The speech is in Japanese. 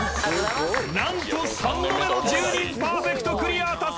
［何と３度目の１０人パーフェクトクリア達成！］